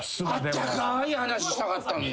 あったかい話したかったのに。